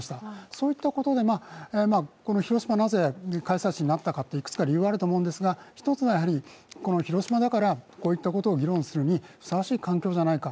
そういったことでこの広島がなぜ開催地になったかと、いくつか理由があると思うんですが、広島だからこういったことを議論するにふさわしい環境ではないか。